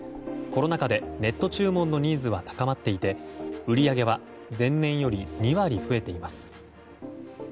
コロナ禍でネット注文のニーズは高まっていて売り上げは前年より２割増えています。